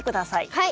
はい。